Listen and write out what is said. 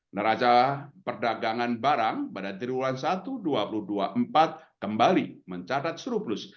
neraca perdagangan barang pada triwulan satu dua ribu dua puluh empat kembali mencatat surplus